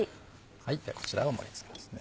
ではこちらを盛り付けますね。